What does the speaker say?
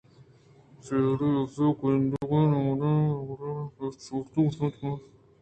پیری ءَ عیبے گندگیں مانیں (بیبگر باہڑرند) ہنج ءِ صوت گوٛشنت کہ ہنج ہما وہد ءَ وشیّں توار ءُ صوتے الہانیت